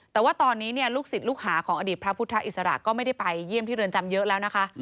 แต่ว่าตอนนี้ลูกศิษย์ลูกหาของอดีตพระพุทธอิสระก็ไม่ได้ไปเยี่ยมที่เรือนจำเยอะแล้วนะคะ